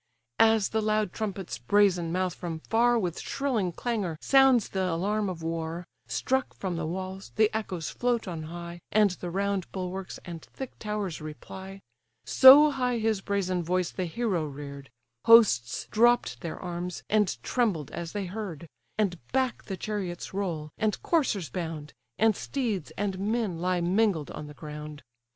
As the loud trumpet's brazen mouth from far With shrilling clangour sounds the alarm of war, Struck from the walls, the echoes float on high, And the round bulwarks and thick towers reply; So high his brazen voice the hero rear'd: Hosts dropp'd their arms, and trembled as they heard: And back the chariots roll, and coursers bound, And steeds and men lie mingled on the ground.